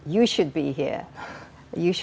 anda harus berada di sini